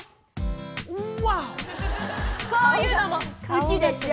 こういうのも好きでしょ？